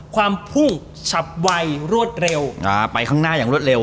ความพุ่งฉับไวรวดเร็วไปข้างหน้าอย่างรวดเร็